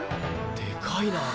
でかいな。